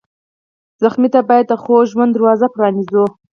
ټپي ته باید د خوږ ژوند دروازه پرانیزو.